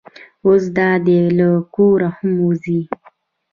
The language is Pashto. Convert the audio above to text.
اوس دا دی له کوره هم وځي.